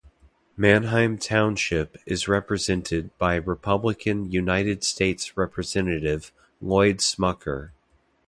Manheim Township is represented by Republican United States Representative Lloyd Smucker.